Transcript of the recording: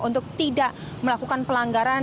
untuk tidak melakukan pelanggaran